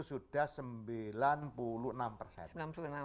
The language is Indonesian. sudah sembilan puluh enam persen